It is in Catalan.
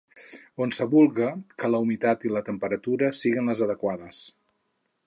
Onsevulga que la humitat i la temperatura siguen les adequades.